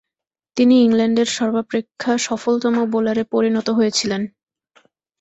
তিনি ইংল্যান্ডের সর্বাপেক্ষা সফলতম বোলারে পরিণত হয়েছিলেন।